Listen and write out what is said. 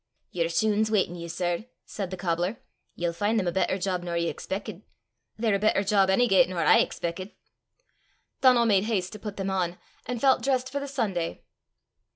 "Yer shune's waitin' ye, sir," said the cobbler. "Ye'll fin' them a better job nor ye expeckit. They're a better job, onygait, nor I expeckit!" Donal made haste to put them on, and felt dressed for the Sunday.